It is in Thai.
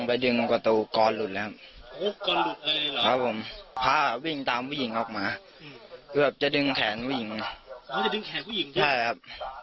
อ๋อจะดึงแขนผู้หญิงด้วยครับผู้หญิงออกไหมใช่ครับ